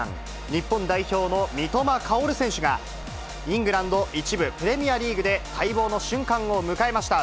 日本代表の三笘薫選手が、イングランド１部プレミアリーグで、待望の瞬間を迎えました。